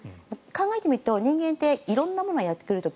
考えてみると人間って色んなものがやってくる時